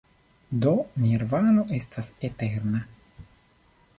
Do Nirvano estas eterna.